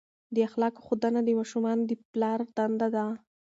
د اخلاقو ښودنه د ماشومانو د پلار دنده ده.